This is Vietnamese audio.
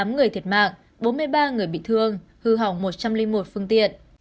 tám người thiệt mạng bốn mươi ba người bị thương hư hỏng một trăm linh một phương tiện